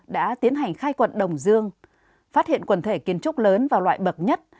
đã tiến hành khai quật đồng dương phát hiện quần thể kiến trúc lớn và loại bậc nhất